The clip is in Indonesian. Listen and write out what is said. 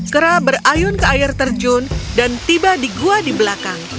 kera berayun ke air terjun dan tiba di gua di belakang